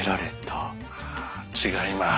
違います。